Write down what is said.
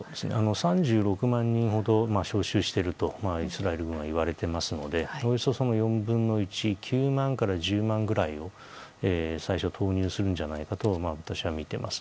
３６万人ほどを招集しているとイスラエル軍はいわれていますのでおよそ４分の１９万から１０万ぐらいを最初、投入するんじゃないかと私はみています。